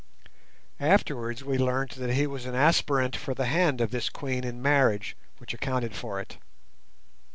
Afterwards we learnt that he was an aspirant for the hand of this Queen in marriage, which accounted for it.